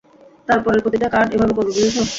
তারপরের প্রতিটা কার্ড এভাবে করবে, বুঝেছ।